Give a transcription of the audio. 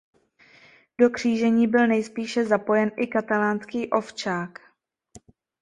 Do křížení byl nejspíše zapojen i katalánský ovčák.